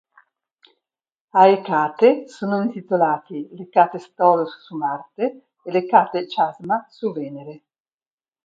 A Ecate sono intitolati l'Hecates Tholus su Marte e l'Hecate Chasma su Venere.